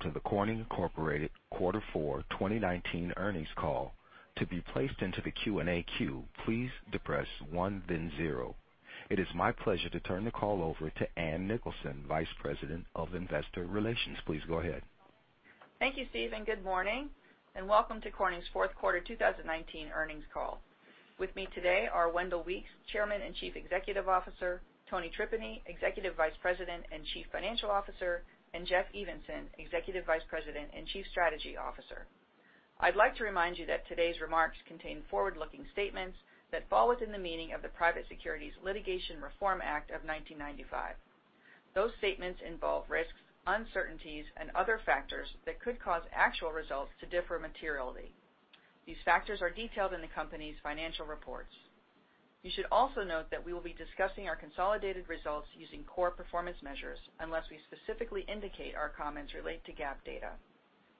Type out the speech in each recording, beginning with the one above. Welcome to the Corning Incorporated quarter four 2019 earnings call. To be placed into the Q&A queue, please depress one then zero. It is my pleasure to turn the call over to Ann Nicholson, Vice President of Investor Relations. Please go ahead. Thank you, Steve. Good morning, and welcome to Corning's fourth quarter 2019 earnings call. With me today are Wendell Weeks, Chairman and Chief Executive Officer; Tony Tripeny, Executive Vice President and Chief Financial Officer; and Jeff Evenson, Executive Vice President and Chief Strategy Officer. I'd like to remind you that today's remarks contain forward-looking statements that fall within the meaning of the Private Securities Litigation Reform Act of 1995. Those statements involve risks, uncertainties, and other factors that could cause actual results to differ materially. These factors are detailed in the company's financial reports. You should also note that we will be discussing our consolidated results using core performance measures, unless we specifically indicate our comments relate to GAAP data.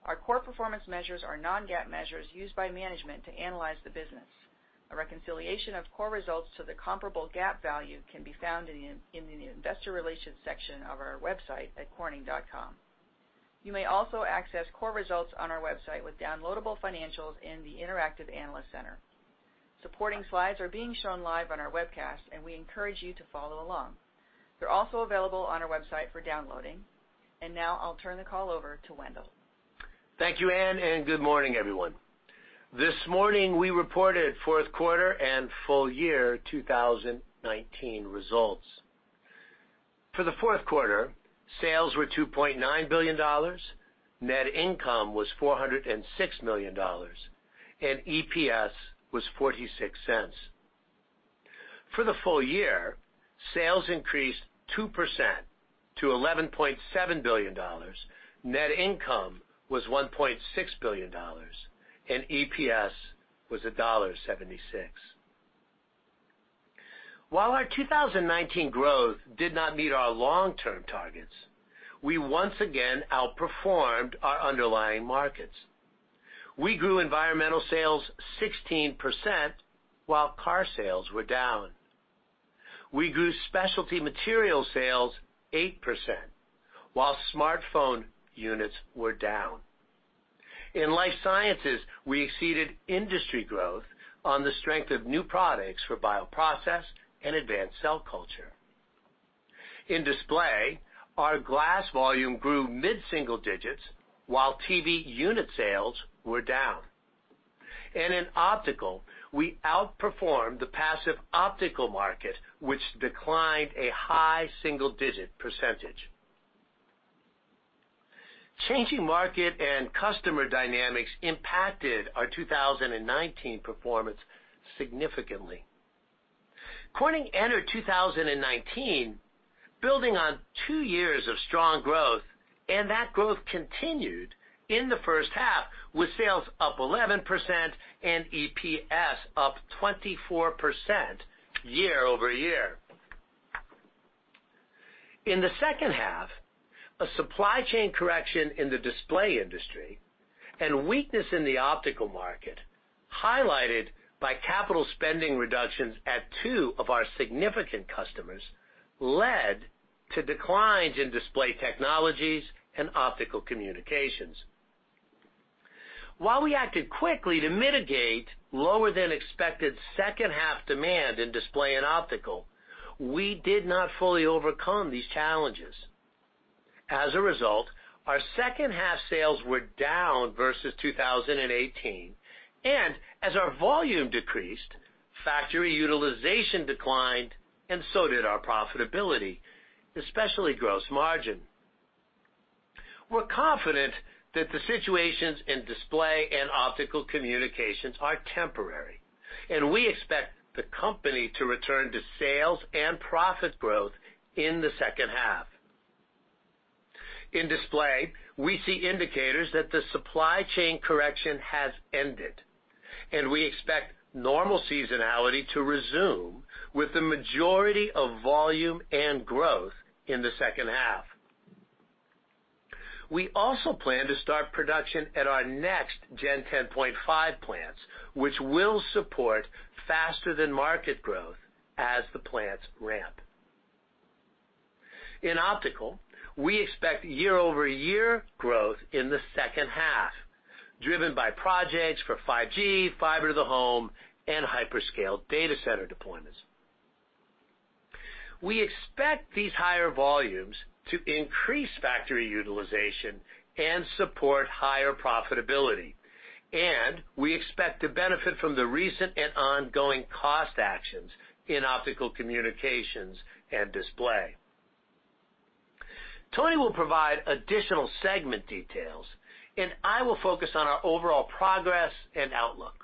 Our core performance measures are non-GAAP measures used by management to analyze the business. A reconciliation of core results to the comparable GAAP value can be found in the Investor Relations section of our website at corning.com. You may also access core results on our website with downloadable financials in the interactive analyst center. Supporting slides are being shown live on our webcast, and we encourage you to follow along. They're also available on our website for downloading. Now I'll turn the call over to Wendell. Thank you, Ann, good morning, everyone. This morning, we reported fourth quarter and full year 2019 results. For the fourth quarter, sales were $2.9 billion, net income was $406 million, and EPS was $0.46. For the full year, sales increased 2% to $11.7 billion, net income was $1.6 billion, and EPS was $1.76. While our 2019 growth did not meet our long-term targets, we once again outperformed our underlying markets. We grew Environmental sales 16% while car sales were down. We grew Specialty Materials sales 8% while smartphone units were down. In Life Sciences, we exceeded industry growth on the strength of new products for bioprocess and advanced cell culture. In Display, our glass volume grew mid-single-digits while TV unit sales were down. In Optical, we outperformed the passive optical market, which declined a high-single-digit percentage. Changing market and customer dynamics impacted our 2019 performance significantly. Corning entered 2019 building on two years of strong growth, and that growth continued in the first half, with sales up 11% and EPS up 24% year over year. In the second half, a supply chain correction in the display industry and weakness in the optical market, highlighted by capital spending reductions at two of our significant customers, led to declines in Display Technologies and Optical Communications. While we acted quickly to mitigate lower-than-expected second half demand in display and optical, we did not fully overcome these challenges. As a result, our second half sales were down versus 2018, and as our volume decreased, factory utilization declined, and so did our profitability, especially gross margin. We're confident that the situations in Display and Optical Communications are temporary. We expect the company to return to sales and profit growth in the second half. In Display, we see indicators that the supply chain correction has ended. We expect normal seasonality to resume with the majority of volume and growth in the second half. We also plan to start production at our next Gen 10.5 plants, which will support faster-than-market growth as the plants ramp. In Optical, we expect year-over-year growth in the second half, driven by projects for 5G, fiber to the home, and hyperscale data center deployments. We expect these higher volumes to increase factory utilization and support higher profitability. We expect to benefit from the recent and ongoing cost actions in Optical Communications and Display. Tony will provide additional segment details. I will focus on our overall progress and outlook.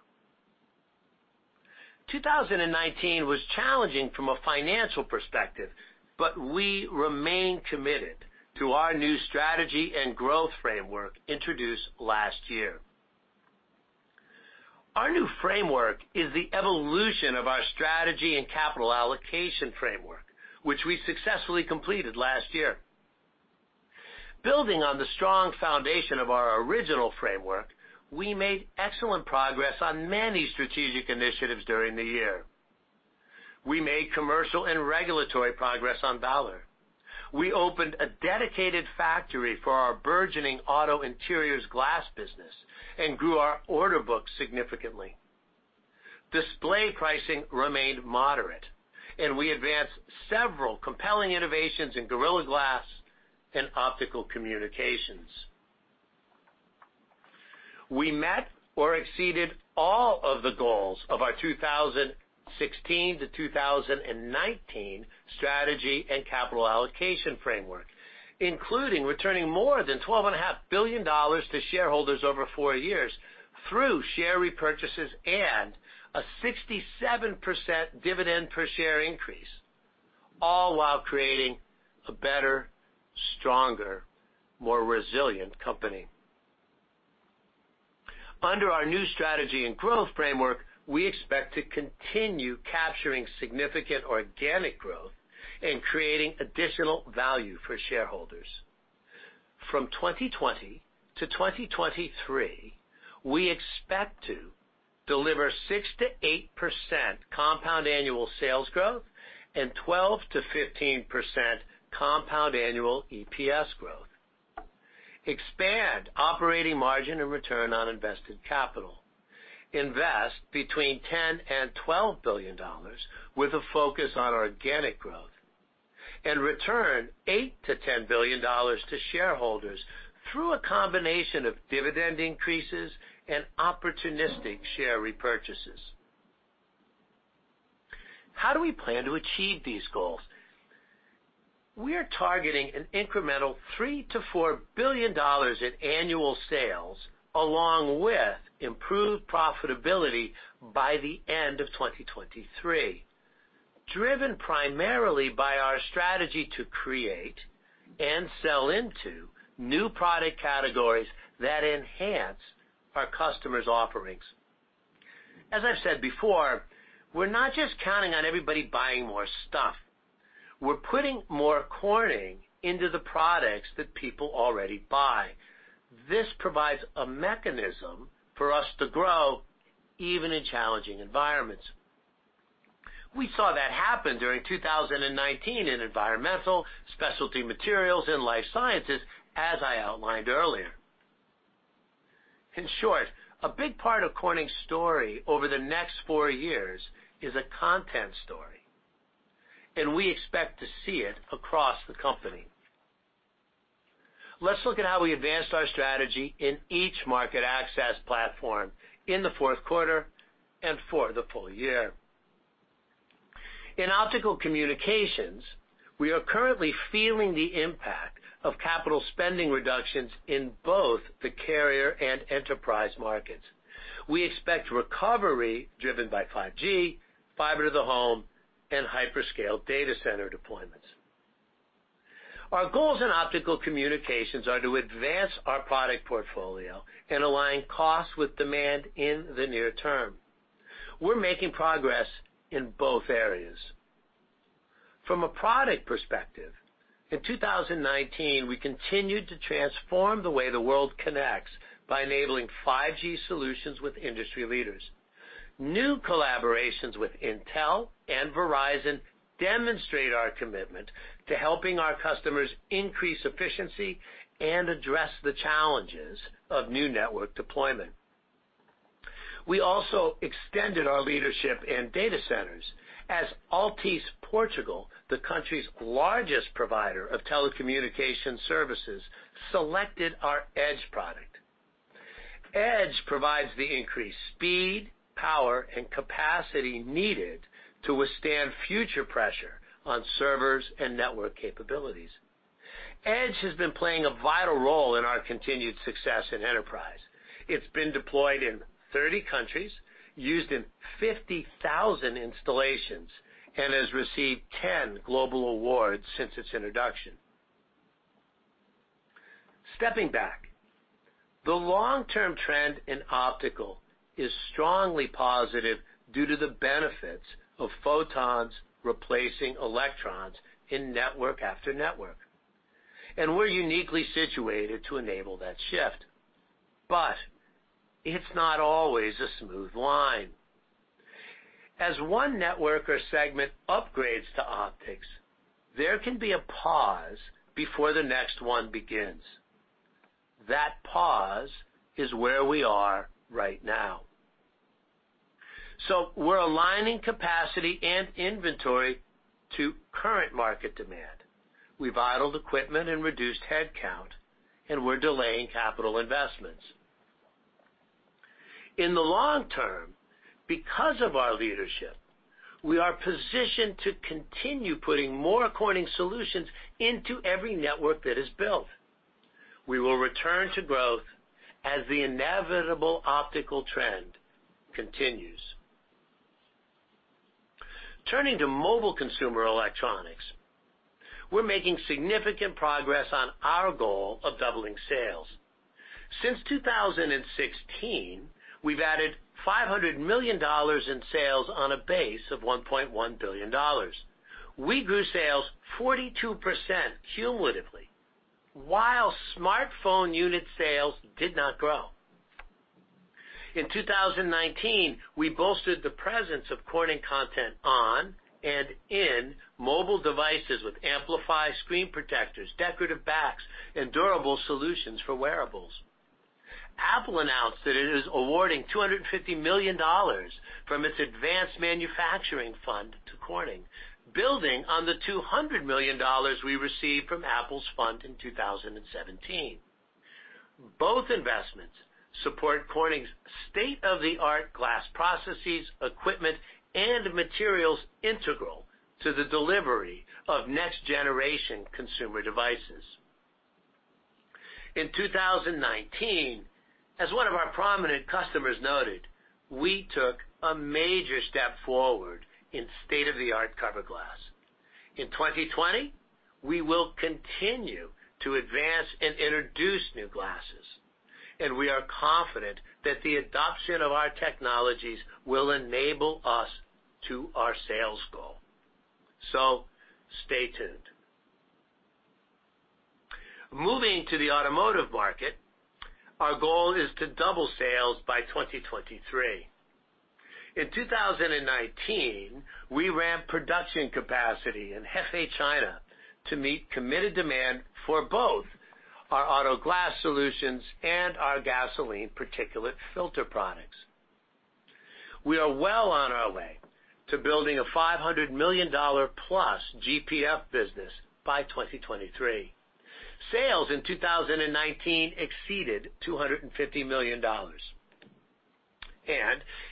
2019 was challenging from a financial perspective, but we remain committed to our new strategy and growth framework introduced last year. Our new framework is the evolution of our strategy and capital allocation framework, which we successfully completed last year. Building on the strong foundation of our original framework, we made excellent progress on many strategic initiatives during the year. We made commercial and regulatory progress on Valor. We opened a dedicated factory for our burgeoning auto interiors glass business and grew our order book significantly. Display pricing remained moderate, and we advanced several compelling innovations in Gorilla Glass and Optical Communications. We met or exceeded all of the goals of our 2016 to 2019 strategy and capital allocation framework, including returning more than $12.5 billion to shareholders over four years through share repurchases and a 67% dividend per share increase, all while creating a better, stronger, more resilient company. Under our new strategy and growth framework, we expect to continue capturing significant organic growth and creating additional value for shareholders. From 2020 to 2023, we expect to deliver 6%-8% compound annual sales growth and 12%-15% compound annual EPS growth, expand operating margin and return on invested capital, invest between $10 billion and $12 billion with a focus on organic growth, and return $8 billion-$10 billion to shareholders through a combination of dividend increases and opportunistic share repurchases. How do we plan to achieve these goals? We're targeting an incremental $3 billion-$4 billion in annual sales along with improved profitability by the end of 2023, driven primarily by our strategy to create and sell into new product categories that enhance our customers' offerings. As I've said before, we're not just counting on everybody buying more stuff. We're putting more Corning into the products that people already buy. This provides a mechanism for us to grow, even in challenging environments. We saw that happen during 2019 in Environmental, Specialty Materials, and Life Sciences, as I outlined earlier. In short, a big part of Corning's story over the next four years is a content story, and we expect to see it across the company. Let's look at how we advanced our strategy in each market access platform in the fourth quarter and for the full year. In Optical Communications, we are currently feeling the impact of capital spending reductions in both the carrier and enterprise markets. We expect recovery driven by 5G, fiber to the home, and hyperscale data center deployments. Our goals in Optical Communications are to advance our product portfolio and align costs with demand in the near term. We're making progress in both areas. From a product perspective, in 2019, we continued to transform the way the world connects by enabling 5G solutions with industry leaders. New collaborations with Intel and Verizon demonstrate our commitment to helping our customers increase efficiency and address the challenges of new network deployment. We also extended our leadership in data centers as Altice Portugal, the country's largest provider of telecommunication services, selected our EDGE product. EDGE provides the increased speed, power, and capacity needed to withstand future pressure on servers and network capabilities. EDGE has been playing a vital role in our continued success in enterprise. It's been deployed in 30 countries, used in 50,000 installations, and has received 10 global awards since its introduction. Stepping back, the long-term trend in optical is strongly positive due to the benefits of photons replacing electrons in network after network, and we're uniquely situated to enable that shift. It's not always a smooth line. As one network or segment upgrades to optics, there can be a pause before the next one begins. That pause is where we are right now. We're aligning capacity and inventory to current market demand. We've idled equipment and reduced headcount, and we're delaying capital investments. In the long term, because of our leadership, we are positioned to continue putting more Corning solutions into every network that is built. We will return to growth as the inevitable optical trend continues. Turning to Mobile Consumer Electronics, we're making significant progress on our goal of doubling sales. Since 2016, we've added $500 million in sales on a base of $1.1 billion. We grew sales 42% cumulatively while smartphone unit sales did not grow. In 2019, we bolstered the presence of Corning content on and in mobile devices with Amplify screen protectors, decorative backs, and durable solutions for wearables. Apple announced that it is awarding $250 million from its advanced manufacturing fund to Corning, building on the $200 million we received from Apple's fund in 2017. Both investments support Corning's state-of-the-art glass processes, equipment, and materials integral to the delivery of next-generation consumer devices. In 2019, as one of our prominent customers noted, we took a major step forward in state-of-the-art cover glass. In 2020, we will continue to advance and introduce new glasses, and we are confident that the adoption of our technologies will enable us to our sales goal. Stay tuned. Moving to the Automotive market, our goal is to double sales by 2023. In 2019, we ramped production capacity in Hefei, China, to meet committed demand for both our auto glass solutions and our gasoline particulate filter products. We are well on our way to building a $500 million+ GPF business by 2023. Sales in 2019 exceeded $250 million.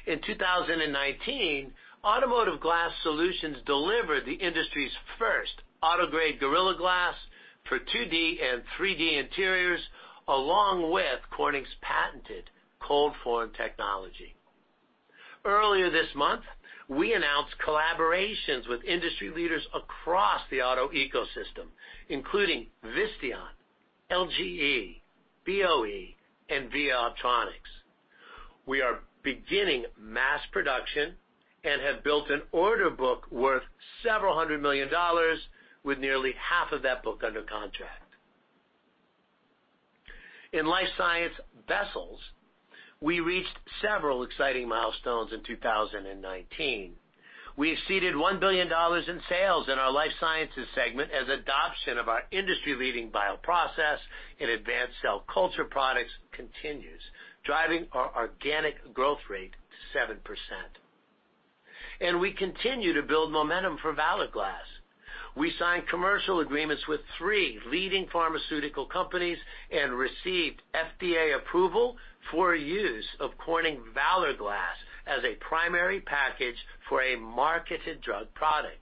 In 2019, automotive glass solutions delivered the industry's first auto-grade Gorilla Glass for 2D and 3D interiors, along with Corning's patented ColdForm Technology. Earlier this month, we announced collaborations with industry leaders across the auto ecosystem, including Visteon, LGE, BOE, and VIA Optronics. We are beginning mass production and have built an order book worth several hundred million dollars with nearly half of that book under contract. In Life Science Vessels, we reached several exciting milestones in 2019. We exceeded $1 billion in sales in our Life Sciences segment as adoption of our industry-leading bioprocess in advanced cell culture products continues, driving our organic growth rate to 7%. We continue to build momentum for Valor Glass. We signed commercial agreements with three leading pharmaceutical companies and received FDA approval for use of Corning Valor Glass as a primary package for a marketed drug product.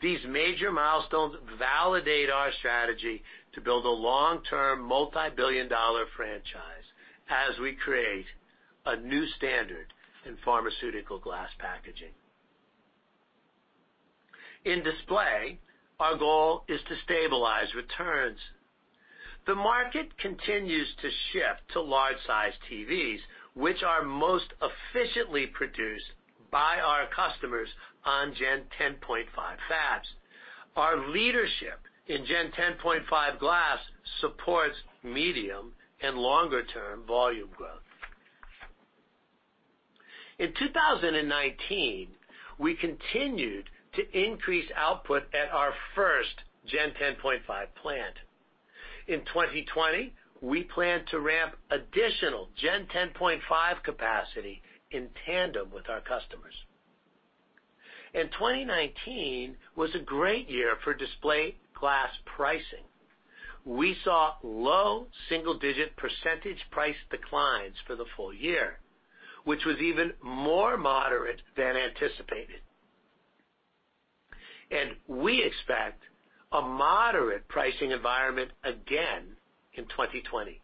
These major milestones validate our strategy to build a long-term, multi-billion-dollar franchise as we create a new standard in pharmaceutical glass packaging. In Display, our goal is to stabilize returns. The market continues to shift to large-size TVs, which are most efficiently produced by our customers on Gen 10.5 fabs. Our leadership in Gen 10.5 glass supports medium and longer-term volume growth. In 2019, we continued to increase output at our first Gen 10.5 plant. In 2020, we plan to ramp additional Gen 10.5 capacity in tandem with our customers. 2019 was a great year for display glass pricing. We saw low single-digit percentage price declines for the full year, which was even more moderate than anticipated. We expect a moderate pricing environment again in 2020.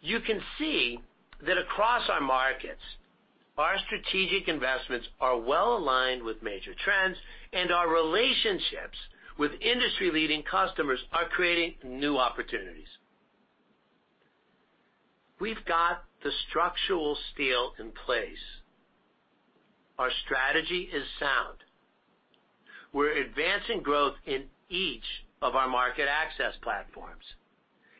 You can see that across our markets, our strategic investments are well-aligned with major trends, and our relationships with industry-leading customers are creating new opportunities. We've got the structural steel in place. Our strategy is sound. We're advancing growth in each of our market access platforms,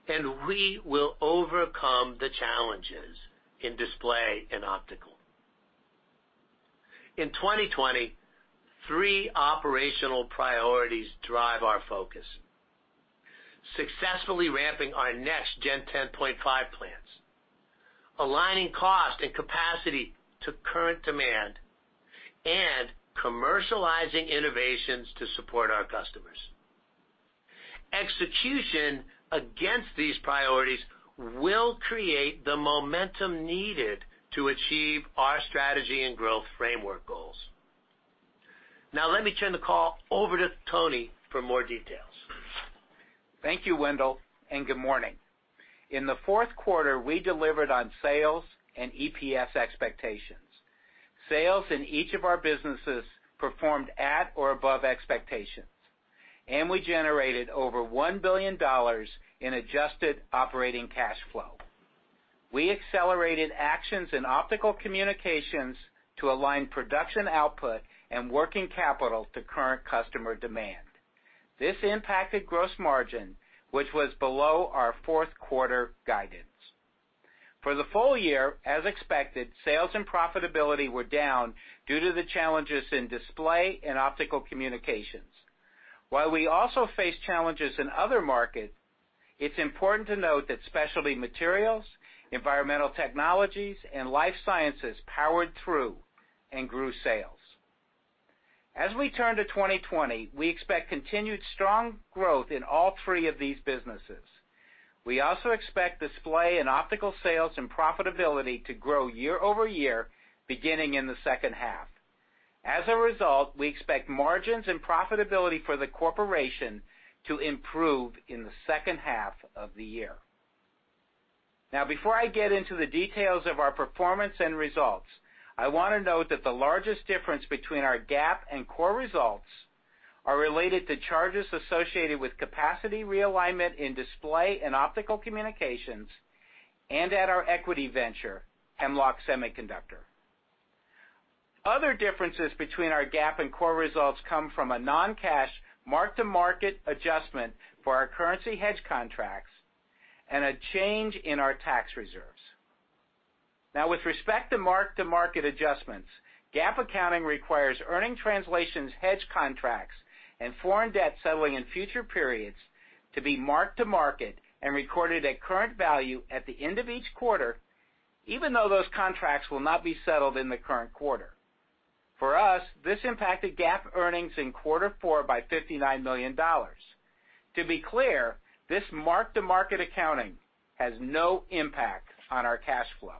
and we will overcome the challenges in display and optical. In 2020, three operational priorities drive our focus, successfully ramping our next Gen 10.5 plans, aligning cost and capacity to current demand, and commercializing innovations to support our customers. Execution against these priorities will create the momentum needed to achieve our strategy and growth framework goals. Now let me turn the call over to Tony for more details. Thank you, Wendell. Good morning. In the fourth quarter, we delivered on sales and EPS expectations. Sales in each of our businesses performed at or above expectations, and we generated over $1 billion in adjusted operating cash flow. We accelerated actions in Optical Communications to align production output and working capital to current customer demand. This impacted gross margin, which was below our fourth quarter guidance. For the full year, as expected, sales and profitability were down due to the challenges in Display and Optical Communications. While we also face challenges in other markets, it's important to note that Specialty Materials, Environmental Technologies, and Life Sciences powered through and grew sales. As we turn to 2020, we expect continued strong growth in all three of these businesses. We also expect Display and Optical sales and profitability to grow year-over-year beginning in the second half. As a result, we expect margins and profitability for the corporation to improve in the second half of the year. Before I get into the details of our performance and results, I want to note that the largest difference between our GAAP and core results are related to charges associated with capacity realignment in Display and Optical Communications and at our equity venture, Hemlock Semiconductor. Other differences between our GAAP and core results come from a non-cash mark-to-market adjustment for our currency hedge contracts and a change in our tax reserves. With respect to mark-to-market adjustments, GAAP accounting requires earning translations hedge contracts and foreign debt settling in future periods to be mark-to-market and recorded at current value at the end of each quarter, even though those contracts will not be settled in the current quarter. For us, this impacted GAAP earnings in quarter four by $59 million. To be clear, this mark-to-market accounting has no impact on our cash flow.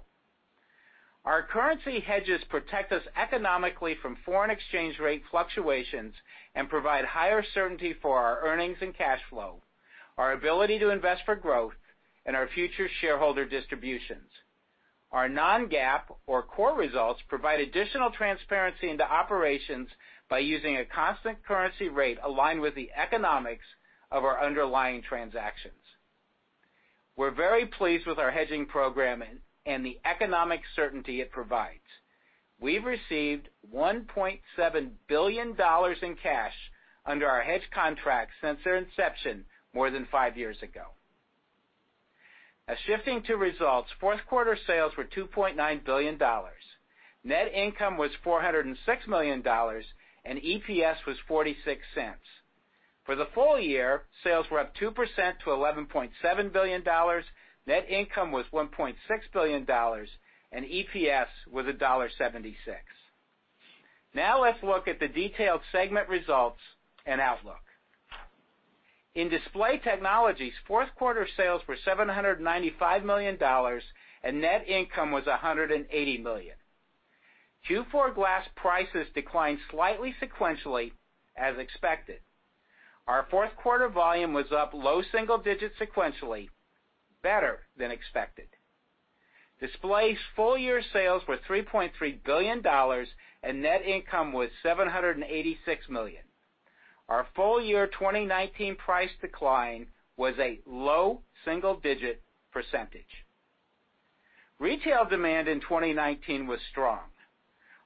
Our currency hedges protect us economically from foreign exchange rate fluctuations and provide higher certainty for our earnings and cash flow, our ability to invest for growth, and our future shareholder distributions. Our non-GAAP or core results provide additional transparency into operations by using a constant currency rate aligned with the economics of our underlying transactions. We're very pleased with our hedging program and the economic certainty it provides. We've received $1.7 billion in cash under our hedge contracts since their inception more than five years ago. Shifting to results, fourth quarter sales were $2.9 billion. Net income was $406 million, and EPS was $0.46. For the full year, sales were up 2% to $11.7 billion. Net income was $1.6 billion, and EPS was $1.76. Let's look at the detailed segment results and outlook. In Display Technologies, fourth quarter sales were $795 million. Net income was $180 million. Q4 glass prices declined slightly sequentially as expected. Our fourth quarter volume was up low single digits sequentially, better than expected. Display's full-year sales were $3.3 billion. Net income was $786 million. Our full-year 2019 price decline was a low single-digit percentage. Retail demand in 2019 was strong.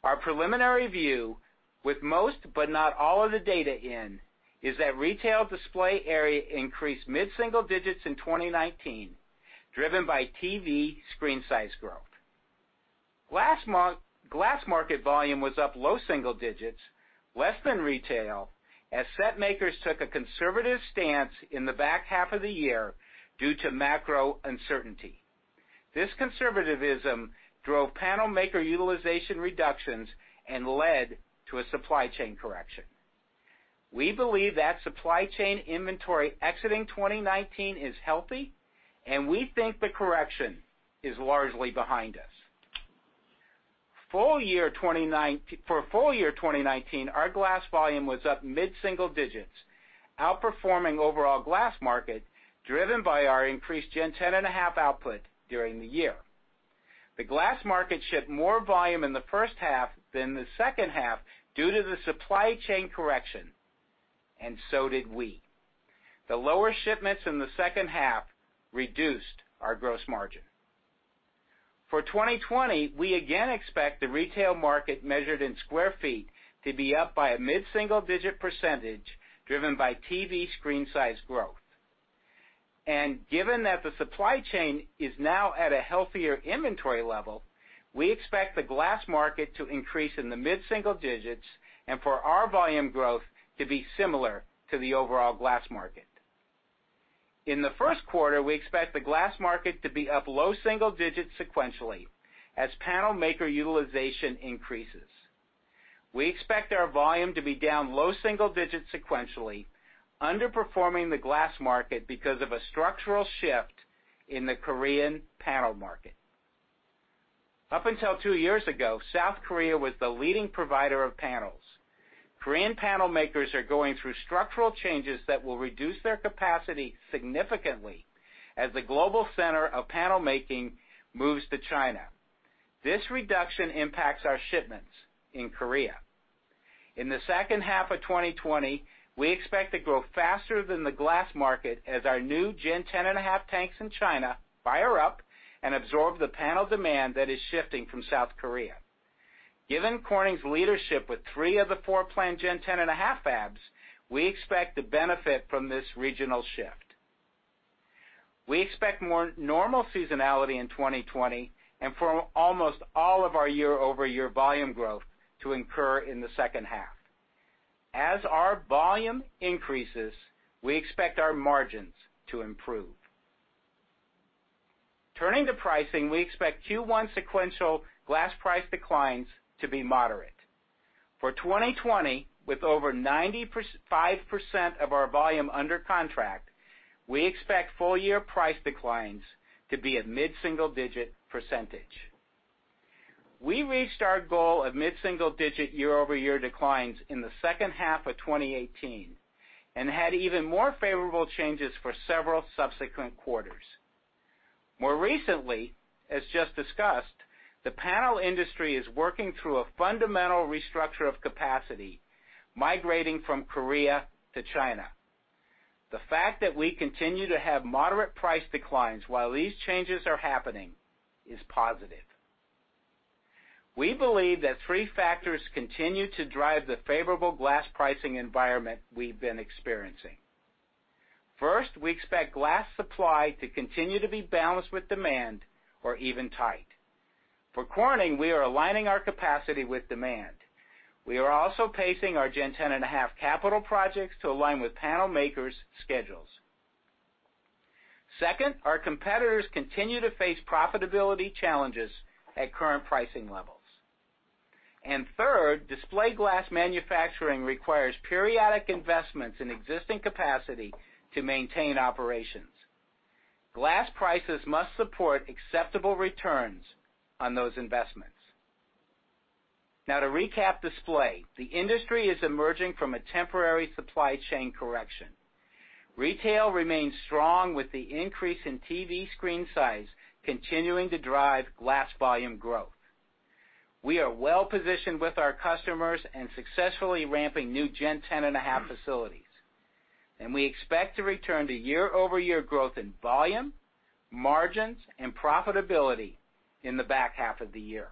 Our preliminary view, with most but not all of the data in, is that retail display area increased mid-single digits in 2019, driven by TV screen size growth. Glass market volume was up low single digits, less than retail, as set makers took a conservative stance in the back half of the year due to macro uncertainty. This conservativism drove panel maker utilization reductions and led to a supply chain correction. We believe that supply chain inventory exiting 2019 is healthy, and we think the correction is largely behind us. For full-year 2019, our glass volume was up mid-single digits, outperforming overall glass market, driven by our increased Gen 10.5 output during the year. The glass market shipped more volume in the first half than the second half due to the supply chain correction, and so did we. The lower shipments in the second half reduced our gross margin. For 2020, we again expect the retail market measured in square feet to be up by a mid-single digit percentage driven by TV screen size growth. Given that the supply chain is now at a healthier inventory level, we expect the glass market to increase in the mid-single digits and for our volume growth to be similar to the overall glass market. In the first quarter, we expect the glass market to be up low single digits sequentially as panel maker utilization increases. We expect our volume to be down low single digits sequentially, underperforming the glass market because of a structural shift in the Korean panel market. Up until two years ago, South Korea was the leading provider of panels. Korean panel makers are going through structural changes that will reduce their capacity significantly as the global center of panel making moves to China. This reduction impacts our shipments in Korea. In the second half of 2020, we expect to grow faster than the glass market as our new Gen 10.5 tanks in China fire up and absorb the panel demand that is shifting from South Korea. Given Corning's leadership with three of the four planned Gen 10.5 fabs, we expect to benefit from this regional shift. We expect more normal seasonality in 2020 and for almost all of our year-over-year volume growth to incur in the second half. As our volume increases, we expect our margins to improve. Turning to pricing, we expect Q1 sequential glass price declines to be moderate. For 2020, with over 95% of our volume under contract, we expect full-year price declines to be a mid-single-digit percentage. We reached our goal of mid-single-digit year-over-year declines in the second half of 2018, and had even more favorable changes for several subsequent quarters. More recently, as just discussed, the panel industry is working through a fundamental restructure of capacity, migrating from Korea to China. The fact that we continue to have moderate price declines while these changes are happening is positive. We believe that three factors continue to drive the favorable glass pricing environment we've been experiencing. First, we expect glass supply to continue to be balanced with demand or even tight. For Corning, we are aligning our capacity with demand. We are also pacing our Gen 10.5 capital projects to align with panel makers' schedules. Second, our competitors continue to face profitability challenges at current pricing levels. Third, display glass manufacturing requires periodic investments in existing capacity to maintain operations. Glass prices must support acceptable returns on those investments. Now to recap Display. The industry is emerging from a temporary supply chain correction. Retail remains strong with the increase in TV screen size continuing to drive glass volume growth. We are well-positioned with our customers and successfully ramping new Gen 10.5 facilities, and we expect to return to year-over-year growth in volume, margins, and profitability in the back half of the year.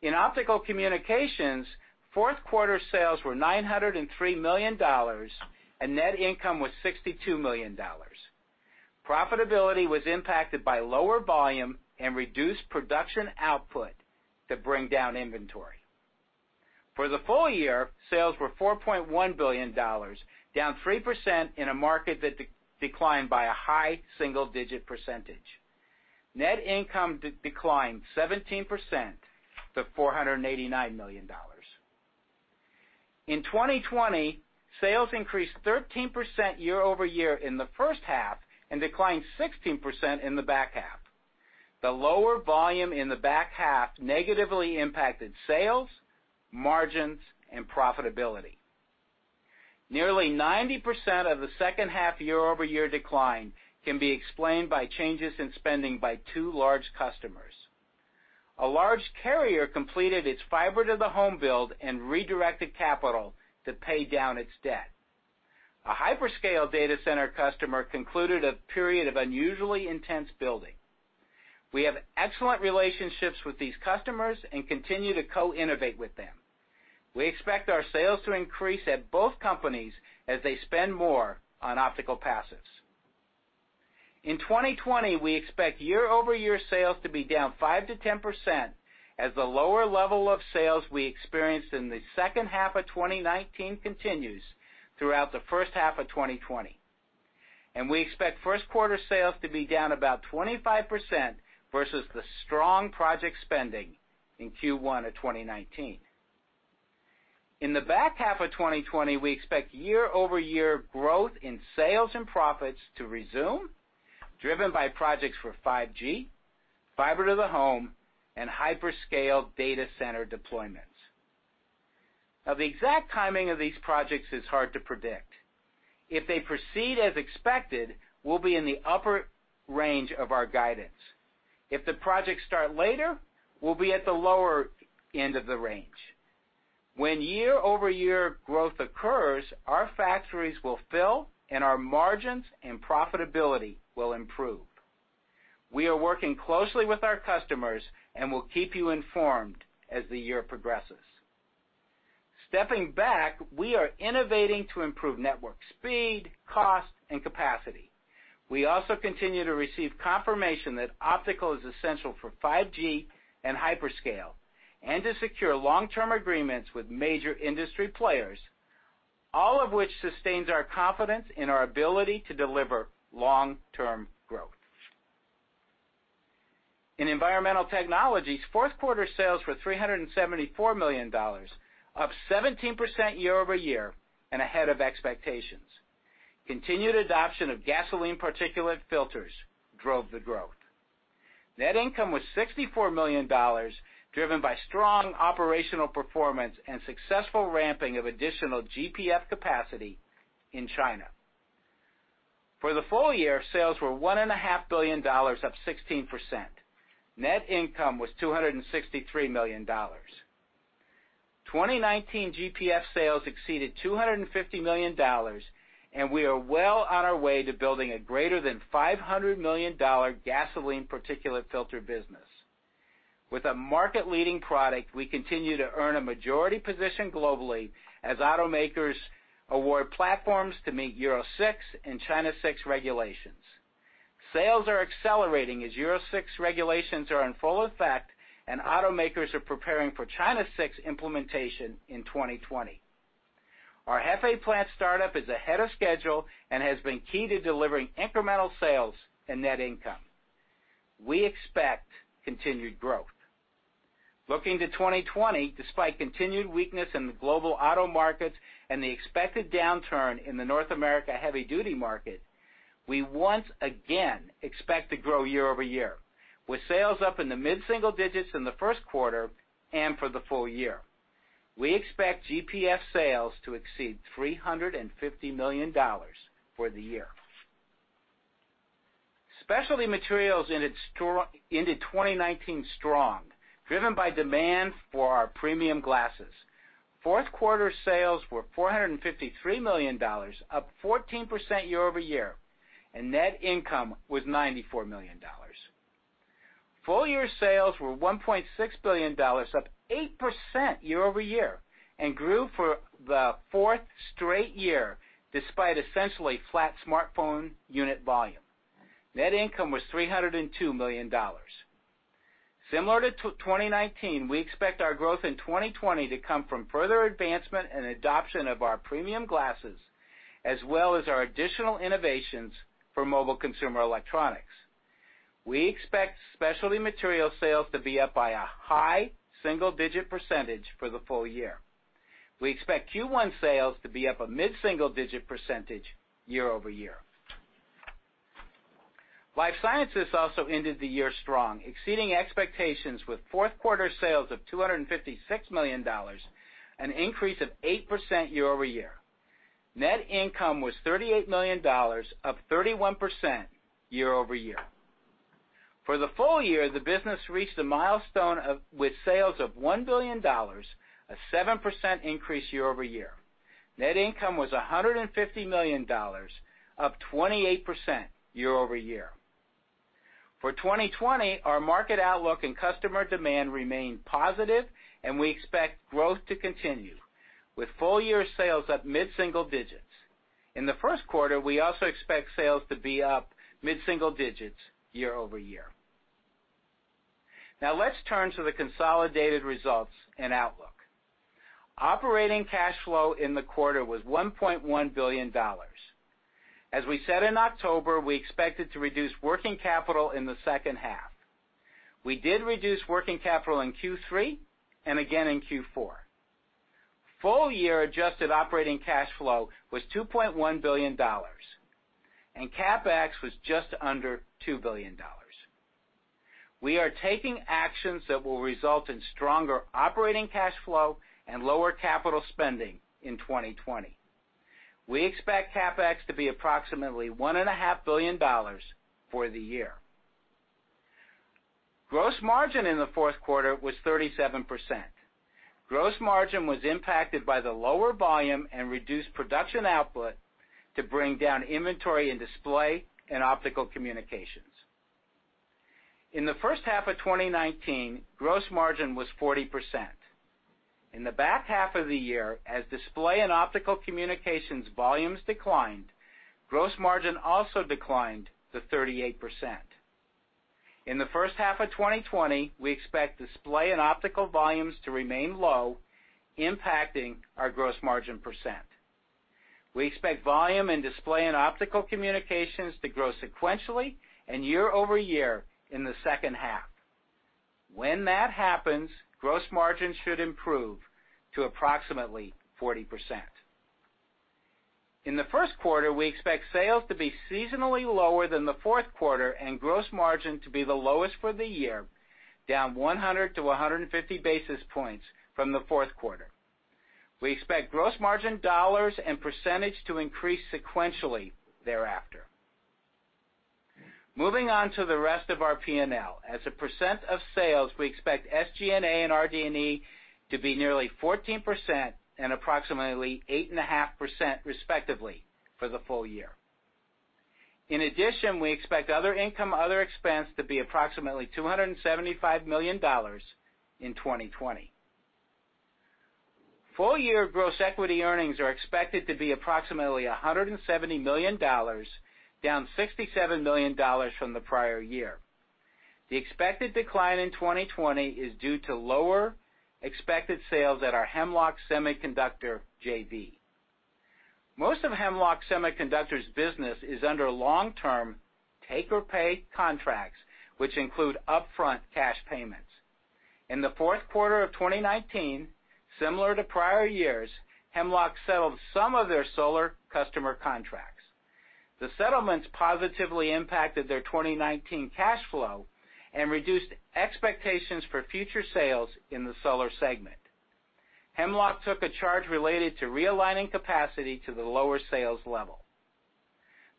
In Optical Communications, fourth quarter sales were $903 million, and net income was $62 million. Profitability was impacted by lower volume and reduced production output to bring down inventory. For the full year, sales were $4.1 billion, down 3% in a market that declined by a high single-digit percentage. Net income declined 17% to $489 million. In 2020, sales increased 13% year-over-year in the first half and declined 16% in the back half. The lower volume in the back half negatively impacted sales, margins, and profitability. Nearly 90% of the second half year-over-year decline can be explained by changes in spending by two large customers. A large carrier completed its fiber-to-the-home build and redirected capital to pay down its debt. A hyperscale data center customer concluded a period of unusually intense building. We have excellent relationships with these customers and continue to co-innovate with them. We expect our sales to increase at both companies as they spend more on optical passives. In 2020, we expect year-over-year sales to be down 5%-10% as the lower level of sales we experienced in the second half of 2019 continues throughout the first half of 2020, and we expect first quarter sales to be down about 25% versus the strong project spending in Q1 of 2019. In the back half of 2020, we expect year-over-year growth in sales and profits to resume, driven by projects for 5G, fiber to the home, and hyperscale data center deployments. The exact timing of these projects is hard to predict. If they proceed as expected, we'll be in the upper range of our guidance. If the projects start later, we'll be at the lower end of the range. When year-over-year growth occurs, our factories will fill, and our margins and profitability will improve. We are working closely with our customers and will keep you informed as the year progresses. Stepping back, we are innovating to improve network speed, cost, and capacity. We also continue to receive confirmation that optical is essential for 5G and hyperscale, and to secure long-term agreements with major industry players, all of which sustains our confidence in our ability to deliver long-term growth. In Environmental Technologies, fourth quarter sales were $374 million, up 17% year-over-year and ahead of expectations. Continued adoption of gasoline particulate filters drove the growth. Net income was $64 million, driven by strong operational performance and successful ramping of additional GPF capacity in China. For the full year, sales were $1.5 billion, up 16%. Net income was $263 million. 2019 GPF sales exceeded $250 million, and we are well on our way to building a greater than $500 million gasoline particulate filter business. With a market-leading product, we continue to earn a majority position globally as automakers award platforms to meet Euro 6 and China 6 regulations. Sales are accelerating as Euro 6 regulations are in full effect and automakers are preparing for China 6 implementation in 2020. Our Hefei plant startup is ahead of schedule and has been key to delivering incremental sales and net income. We expect continued growth. Looking to 2020, despite continued weakness in the global auto markets and the expected downturn in the North America heavy-duty market, we once again expect to grow year over year. With sales up in the mid-single digits in the first quarter and for the full year. We expect GPF sales to exceed $350 million for the year. Specialty Materials ended 2019 strong, driven by demand for our premium glasses. Fourth quarter sales were $453 million, up 14% year-over-year, and net income was $94 million. Full-year sales were $1.6 billion, up 8% year-over-year, and grew for the fourth straight year, despite essentially flat smartphone unit volume. Net income was $302 million. Similar to 2019, we expect our growth in 2020 to come from further advancement and adoption of our premium glasses, as well as our additional innovations for mobile consumer electronics. We expect Specialty Materials sales to be up by a high single-digit percentage for the full year. We expect Q1 sales to be up a mid-single digit percentage year-over-year. Life Sciences also ended the year strong, exceeding expectations with fourth quarter sales of $256 million, an increase of 8% year-over-year. Net income was $38 million, up 31% year-over-year. For the full year, the business reached a milestone with sales of $1 billion, a 7% increase year-over-year. Net income was $150 million, up 28% year-over-year. For 2020, our market outlook and customer demand remain positive, and we expect growth to continue, with full-year sales up mid-single digits. In the first quarter, we also expect sales to be up mid-single digits year-over-year. Now let's turn to the consolidated results and outlook. Operating cash flow in the quarter was $1.1 billion. As we said in October, we expected to reduce working capital in the second half. We did reduce working capital in Q3 and again in Q4. Full-year adjusted operating cash flow was $2.1 billion. CapEx was just under $2 billion. We are taking actions that will result in stronger operating cash flow and lower capital spending in 2020. We expect CapEx to be approximately $1.5 billion for the year. Gross margin in the fourth quarter was 37%. Gross margin was impacted by the lower volume and reduced production output to bring down inventory in Display and Optical Communications. In the first half of 2019, gross margin was 40%. In the back half of the year, as Display and Optical Communications volumes declined, gross margin also declined to 38%. In the first half of 2020, we expect Display and Optical volumes to remain low, impacting our gross margin percent. We expect volume in Display and Optical Communications to grow sequentially and year-over-year in the second half. When that happens, gross margin should improve to approximately 40%. In the first quarter, we expect sales to be seasonally lower than the fourth quarter and gross margin to be the lowest for the year, down 100 to 150 basis points from the fourth quarter. We expect gross margin dollars and percentage to increase sequentially thereafter. Moving on to the rest of our P&L. As a percent of sales, we expect SG&A and RD&E to be nearly 14% and approximately 8.5%, respectively, for the full year. We expect other income, other expense to be approximately $275 million in 2020. Full-year gross equity earnings are expected to be approximately $170 million, down $67 million from the prior year. The expected decline in 2020 is due to lower expected sales at our Hemlock Semiconductor JV. Most of Hemlock Semiconductor's business is under long-term take-or-pay contracts, which include upfront cash payments. In the fourth quarter of 2019, similar to prior years, Hemlock settled some of their solar customer contracts. The settlements positively impacted their 2019 cash flow and reduced expectations for future sales in the solar segment. Hemlock took a charge related to realigning capacity to the lower sales level.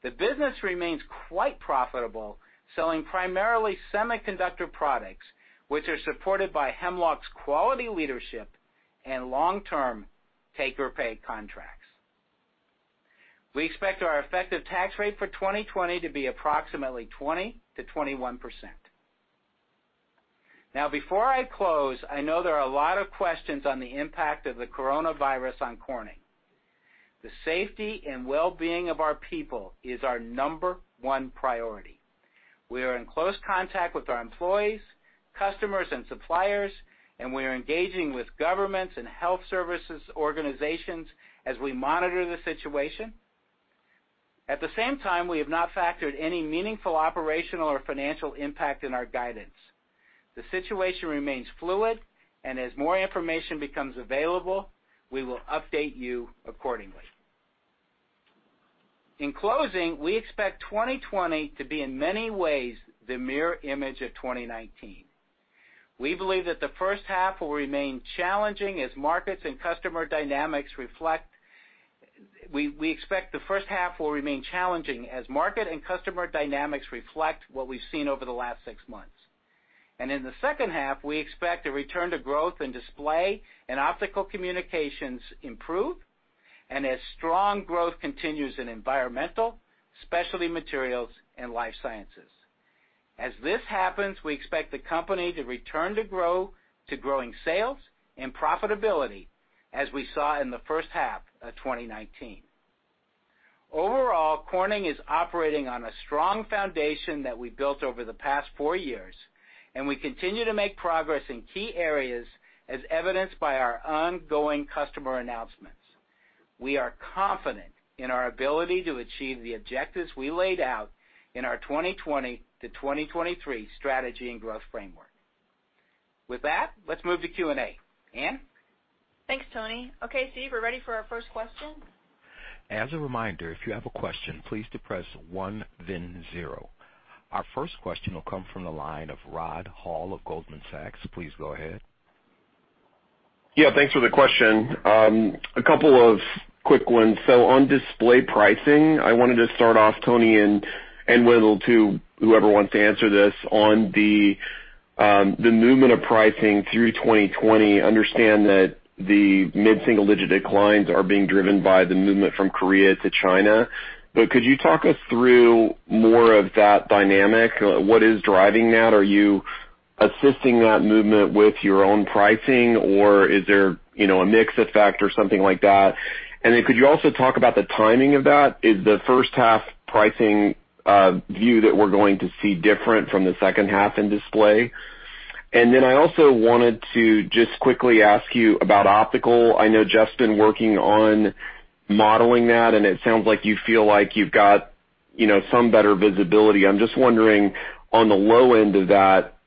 The business remains quite profitable, selling primarily semiconductor products, which are supported by Hemlock's quality leadership and long-term take-or-pay contracts. We expect our effective tax rate for 2020 to be approximately 20%-21%. Now, before I close, I know there are a lot of questions on the impact of the coronavirus on Corning. The safety and wellbeing of our people is our number one priority. We are in close contact with our employees, customers, and suppliers, and we are engaging with governments and health services organizations as we monitor the situation. At the same time, we have not factored any meaningful operational or financial impact in our guidance. The situation remains fluid, and as more information becomes available, we will update you accordingly. In closing, we expect 2020 to be, in many ways, the mirror image of 2019. We believe that the first half will remain challenging as market and customer dynamics reflect what we've seen over the last six months. In the second half, we expect a return to growth and Display and Optical Communications improve, and as strong growth continues in Environmental, Specialty Materials, and Life Sciences. As this happens, we expect the company to return to growing sales and profitability, as we saw in the first half of 2019. Overall, Corning is operating on a strong foundation that we've built over the past four years, and we continue to make progress in key areas, as evidenced by our ongoing customer announcements. We are confident in our ability to achieve the objectives we laid out in our 2020 to 2023 strategy and growth framework. With that, let's move to Q&A. Ann? Thanks, Tony. Okay, Steve, we're ready for our first question. As a reminder, if you have a question, please depress one, then zero. Our first question will come from the line of Rod Hall of Goldman Sachs. Please go ahead. Yeah, thanks for the question. A couple of quick ones. On display pricing, I wanted to start off, Tony, and Wendell too, whoever wants to answer this, on the movement of pricing through 2020. Understand that the mid-single-digit declines are being driven by the movement from Korea to China, could you talk us through more of that dynamic? What is driving that? Are you assisting that movement with your own pricing, or is there a mix effect or something like that? Could you also talk about the timing of that? Is the first-half pricing view that we're going to see different from the second half in display? I also wanted to just quickly ask you about Optical. I know Jeff's been working on modeling that, and it sounds like you feel like you've got some better visibility. I'm just wondering, on the low end of that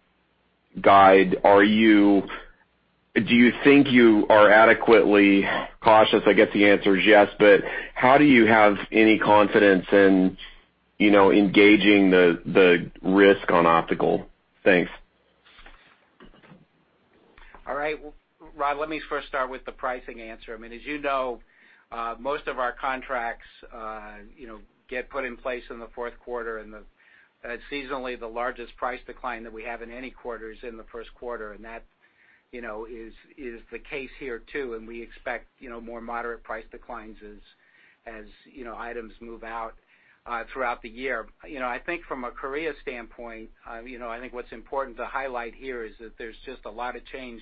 guide, do you think you are adequately cautious? I guess the answer is yes, but how do you have any confidence in engaging the risk on Optical? Thanks. All right. Rod, let me first start with the pricing answer. As you know, most of our contracts get put in place in the fourth quarter, and seasonally, the largest price decline that we have in any quarter is in the first quarter, and that is the case here, too, and we expect more moderate price declines as items move out throughout the year. I think from a Korea standpoint, I think what's important to highlight here is that there's just a lot of change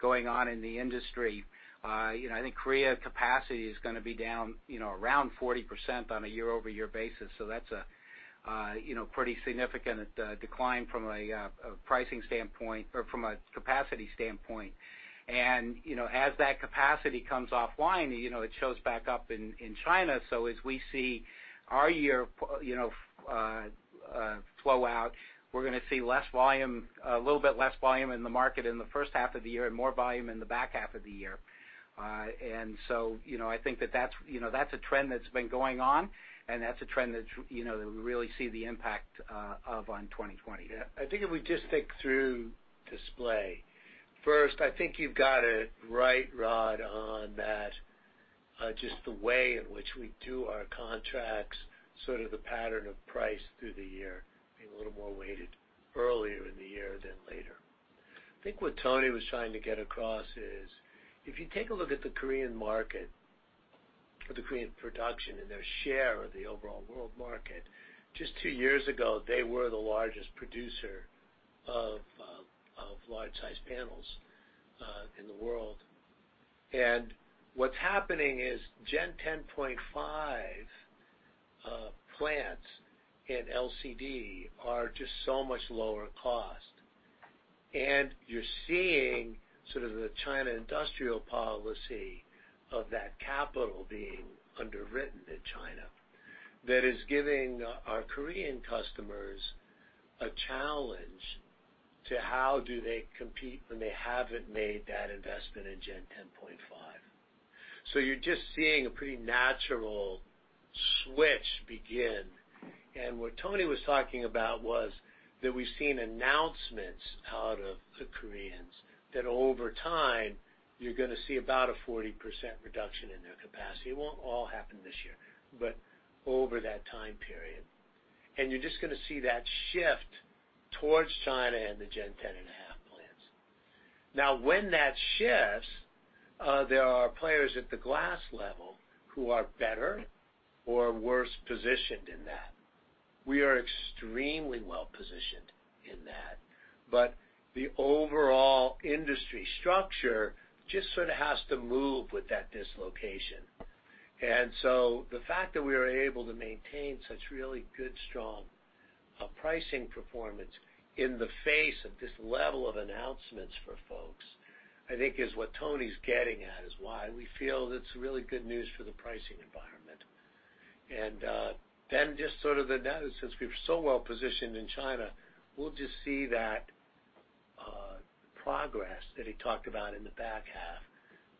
going on in the industry. I think Korea capacity is going to be down around 40% on a year-over-year basis. That's a pretty significant decline from a capacity standpoint. As that capacity comes offline, it shows back up in China. As we see our year flow out, we're going to see a little bit less volume in the market in the first half of the year and more volume in the back half of the year. I think that's a trend that's been going on, and that's a trend that we really see the impact of on 2020. I think if we just think through display, first, I think you've got it right, Rod, on that just the way in which we do our contracts, sort of the pattern of price through the year being a little more weighted earlier in the year than later. I think what Tony was trying to get across is, if you take a look at the Korean market or the Korean production and their share of the overall world market, just two years ago, they were the largest producer of large-sized panels in the world. What's happening is Gen 10.5 plants in LCD are just so much lower cost. You're seeing the China industrial policy of that capital being underwritten in China that is giving our Korean customers a challenge to how do they compete when they haven't made that investment in Gen 10.5. You're just seeing a pretty natural switch begin. And what Tony was talking about was that we've seen announcements out of the Koreans that over time you're going to see about a 40% reduction in their capacity. It won't all happen this year, but over that time period. You're just going to see that shift towards China and the Gen 10.5 plants. When that shifts, there are players at the glass level who are better or worse positioned in that. We are extremely well-positioned in that. The overall industry structure just sort of has to move with that dislocation. The fact that we are able to maintain such really good, strong pricing performance in the face of this level of announcements for folks, I think is what Tony's getting at, is why we feel it's really good news for the pricing environment. Just sort of the data, since we're so well-positioned in China, we'll just see that progress that he talked about in the back half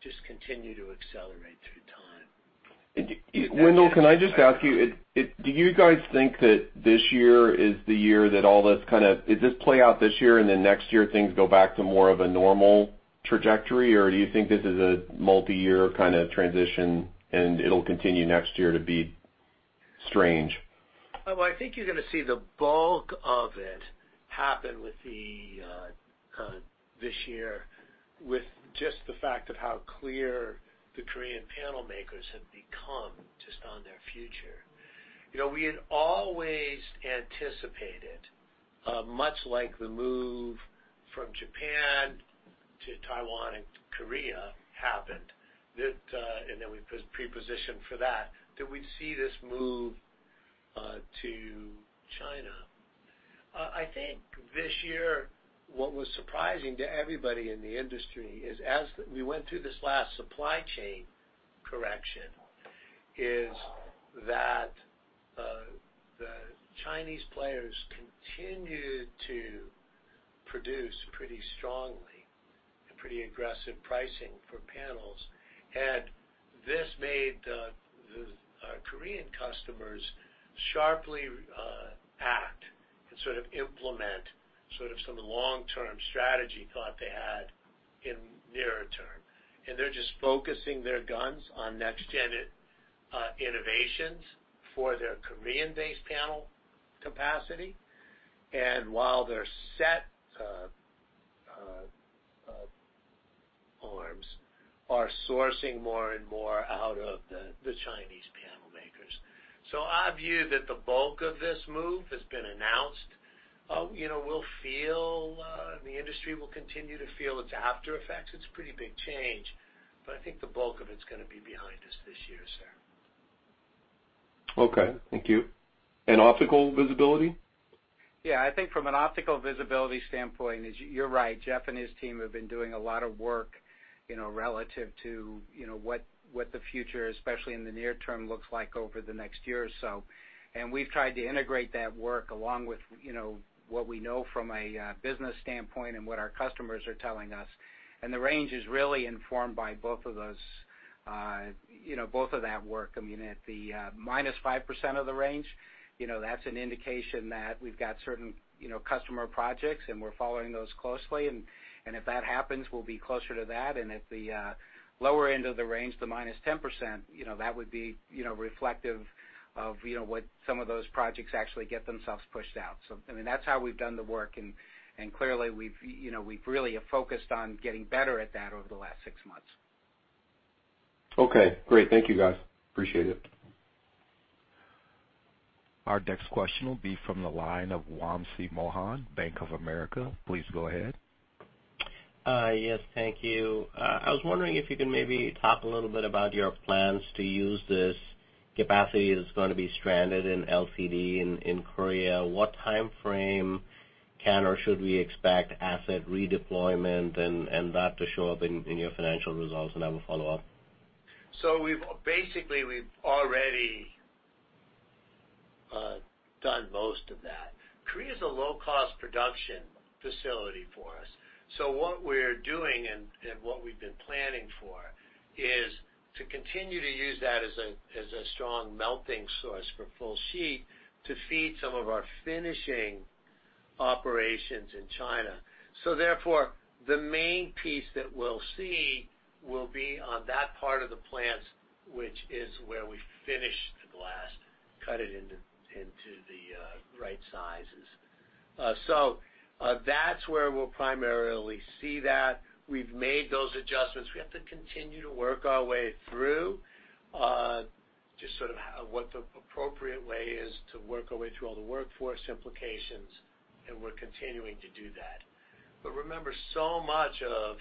just continue to accelerate through time. Wendell, can I just ask you, do you guys think that this year is the year that all this did this play out this year and then next year things go back to more of a normal trajectory? Or do you think this is a multi-year kind of transition and it'll continue next year to be strange? Well, I think you're going to see the bulk of it happen this year with just the fact of how clear the Korean panel makers have become just on their future. We had always anticipated, much like the move from Japan to Taiwan and Korea happened, and then we prepositioned for that we'd see this move to China. I think this year, what was surprising to everybody in the industry is as we went through this last supply chain correction, is that the Chinese players continued to produce pretty strongly and pretty aggressive pricing for panels. This made the Korean customers sharply act and sort of implement some of the long-term strategy thought they had in nearer term. They're just focusing their guns on next-gen innovations for their Korean-based panel capacity. While their set forms are sourcing more and more out of the Chinese panel makers. I view that the bulk of this move has been announced. The industry will continue to feel its aftereffects. It's a pretty big change, but I think the bulk of it's going to be behind us this year, sir. Okay. Thank you. Optical visibility? Yeah. I think from an Optical visibility standpoint, you're right, Jeff and his team have been doing a lot of work relative to what the future, especially in the near term, looks like over the next year or so. We've tried to integrate that work along with what we know from a business standpoint and what our customers are telling us. The range is really informed by both of that work. At the -5% of the range, that's an indication that we've got certain customer projects, and we're following those closely, and if that happens, we'll be closer to that. At the lower end of the range, the -10%, that would be reflective of what some of those projects actually get themselves pushed out. That's how we've done the work, and clearly, we've really focused on getting better at that over the last six months. Okay, great. Thank you, guys. Appreciate it. Our next question will be from the line of Wamsi Mohan, Bank of America. Please go ahead. Yes, thank you. I was wondering if you could maybe talk a little bit about your plans to use this capacity that's going to be stranded in LCD in Korea. What timeframe can or should we expect asset redeployment and that to show up in your financial results? I have a follow-up. Basically, we've already done most of that. Korea is a low-cost production facility for us. What we're doing and what we've been planning for is to continue to use that as a strong melting source for full sheet to feed some of our finishing operations in China. Therefore, the main piece that we'll see will be on that part of the plants, which is where we finish the glass, cut it into the right sizes. That's where we'll primarily see that. We've made those adjustments. We have to continue to work our way through just sort of what the appropriate way is to work our way through all the workforce implications, and we're continuing to do that. Remember, so much of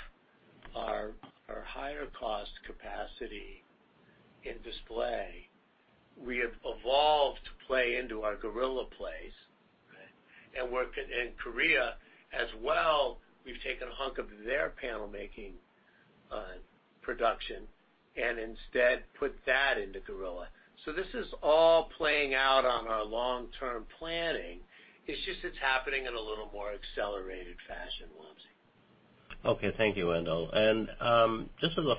our higher-cost capacity in Display, we have evolved to play into our Gorilla Glass, right? Korea as well, we've taken a hunk of their panel-making production and instead put that into Gorilla. This is all playing out on our long-term planning. It's just it's happening in a little more accelerated fashion, Wamsi. Okay, thank you, Wendell. Just as a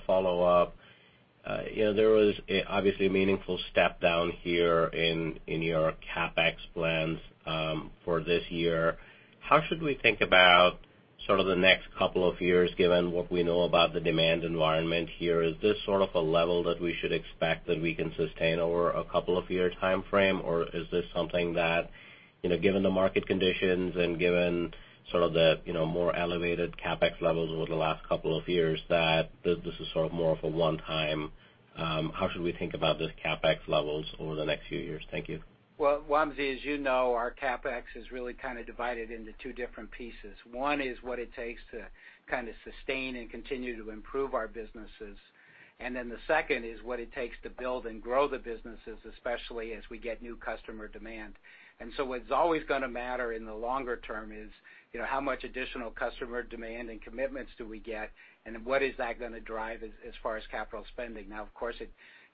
follow-up, there was obviously a meaningful step down here in your CapEx plans for this year. How should we think about the next couple of years, given what we know about the demand environment here? Is this a level that we should expect that we can sustain over a couple of year timeframe, or is this something that, given the market conditions and given the more elevated CapEx levels over the last couple of years, that this is more of a one-time? How should we think about these CapEx levels over the next few years? Thank you. Well, Wamsi, as you know, our CapEx is really kind of divided into two different pieces. One is what it takes to sustain and continue to improve our businesses. The second is what it takes to build and grow the businesses, especially as we get new customer demand. What's always going to matter in the longer term is, how much additional customer demand and commitments do we get, and what is that going to drive as far as capital spending? Now, of course,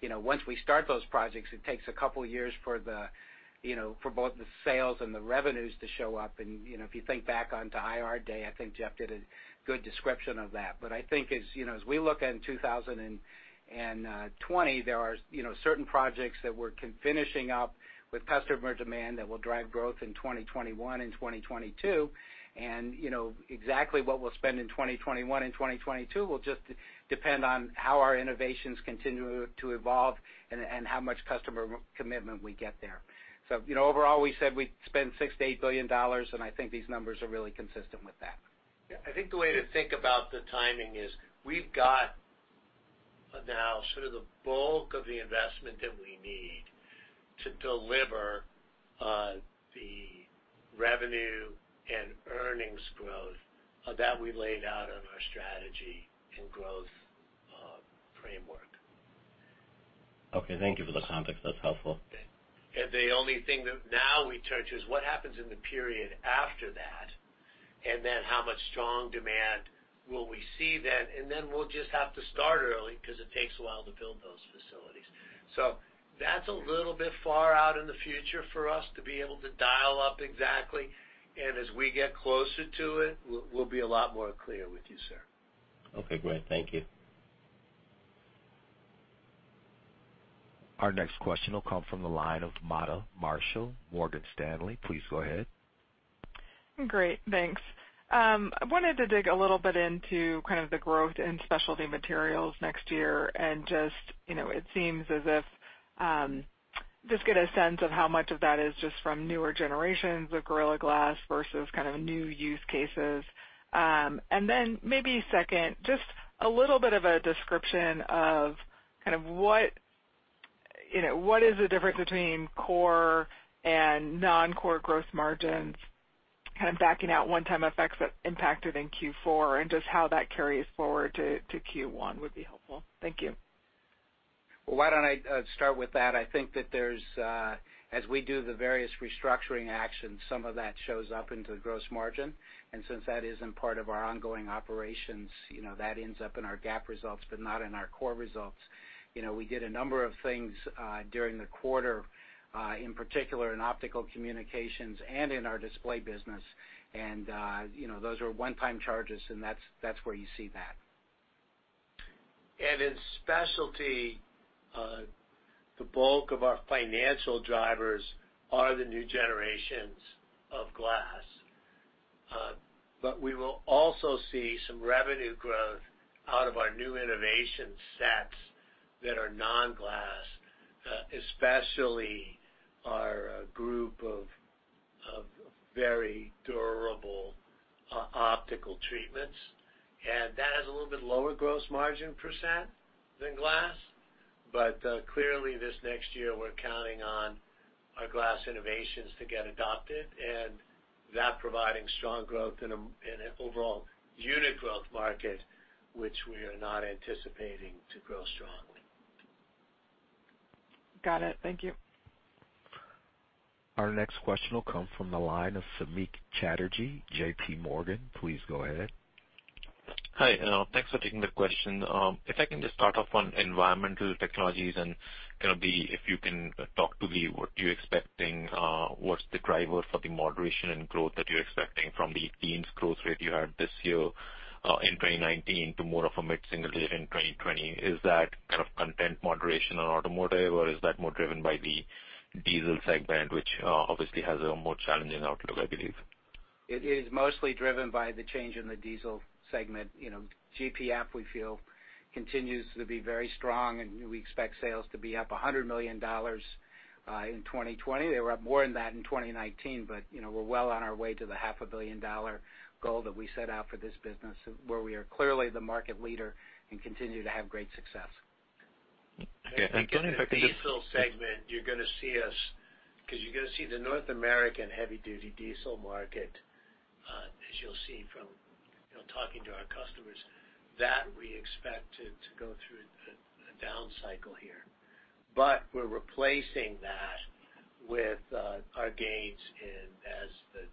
once we start those projects, it takes a couple of years for both the sales and the revenues to show up. If you think back onto IR Day, I think Jeff did a good description of that. I think as we look in 2020, there are certain projects that we're finishing up with customer demand that will drive growth in 2021 and 2022. Exactly what we'll spend in 2021 and 2022 will just depend on how our innovations continue to evolve and how much customer commitment we get there. Overall, we said we'd spend $6 billion-$8 billion, and I think these numbers are really consistent with that. Yeah. I think the way to think about the timing is we've got now sort of the bulk of the investment that we need to deliver the revenue and earnings growth that we laid out on our strategy and growth framework. Okay, thank you for the context. That's helpful. The only thing that now we turn to is what happens in the period after that, then how much strong demand will we see then. Then we'll just have to start early because it takes a while to build those facilities. That's a little bit far out in the future for us to be able to dial up exactly. As we get closer to it, we'll be a lot more clear with you, sir. Okay, great. Thank you. Our next question will come from the line of Meta Marshall, Morgan Stanley. Please go ahead. Great, thanks. I wanted to dig a little bit into kind of the growth in Specialty Materials next year and just, it seems as if, just get a sense of how much of that is just from newer generations of Gorilla Glass versus kind of new use cases. Maybe second, just a little bit of a description of what is the difference between core and non-core gross margins, kind of backing out one-time effects that impacted in Q4, and just how that carries forward to Q1 would be helpful. Thank you. Well, why don't I start with that? I think that as we do the various restructuring actions, some of that shows up into the gross margin. Since that isn't part of our ongoing operations, that ends up in our GAAP results, but not in our core results. We did a number of things during the quarter, in particular in Optical Communications and in our Display business. Those were one-time charges, and that's where you see that. In Specialty, the bulk of our financial drivers are the new generations of glass. We will also see some revenue growth out of our new innovation sets that are non-glass, especially our group of very durable optical treatments. That has a little bit lower gross margin percent than glass. Clearly this next year, we're counting on our glass innovations to get adopted, and that providing strong growth in an overall unit growth market, which we are not anticipating to grow strong. Got it. Thank you. Our next question will come from the line of Samik Chatterjee, JPMorgan. Please go ahead. Hi. Thanks for taking the question. If I can just start off on Environmental Technologies and if you can talk to what you're expecting, what's the driver for the moderation in growth that you're expecting from the teens growth rate you had this year in 2019 to more of a mid-single digit in 2020? Is that kind of content moderation on automotive, or is that more driven by the diesel segment, which obviously has a more challenging outlook, I believe? It is mostly driven by the change in the diesel segment. GPF, we feel, continues to be very strong, and we expect sales to be up $100 million in 2020. They were up more than that in 2019, but we're well on our way to the $0.5 billion goal that we set out for this business, where we are clearly the market leader and continue to have great success. Okay. The diesel segment, you're going to see us, because you're going to see the North American heavy-duty diesel market, as you'll see from talking to our customers, that we expect to go through a down cycle here. We're replacing that with our gains as the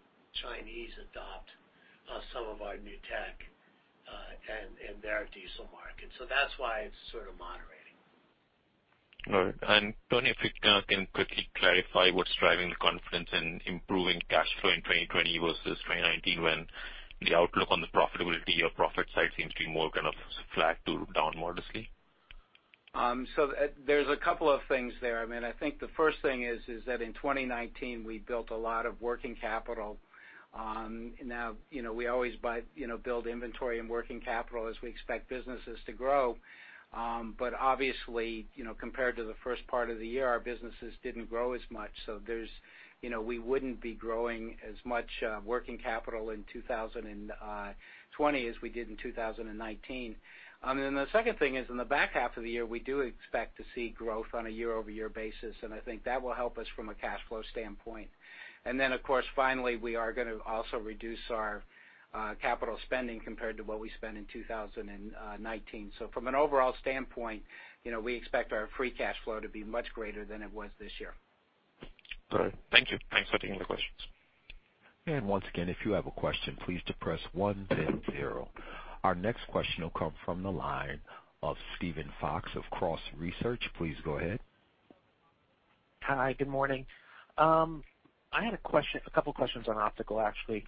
Chinese adopt some of our new tech in their diesel market. That's why it's sort of moderating. All right. Tony, if you can quickly clarify what's driving the confidence in improving cash flow in 2020 versus 2019, when the outlook on the profitability or profit side seems to be more kind of flat to down modestly. There's a couple of things there. I think the first thing is that in 2019, we built a lot of working capital. We always build inventory and working capital as we expect businesses to grow. Obviously, compared to the first part of the year, our businesses didn't grow as much. We wouldn't be growing as much working capital in 2020 as we did in 2019. The second thing is in the back half of the year, we do expect to see growth on a year-over-year basis, and I think that will help us from a cash flow standpoint. Of course, finally, we are going to also reduce our capital spending compared to what we spent in 2019. From an overall standpoint, we expect our free cash flow to be much greater than it was this year. All right. Thank you. Thanks for taking the questions. Once again, if you have a question, please depress one then zero. Our next question will come from the line of Steven Fox of Cross Research. Please go ahead. Hi, good morning. I had a couple questions on optical, actually.